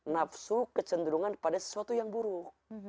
nafsu kecenderungan pada sesuatu yang buruk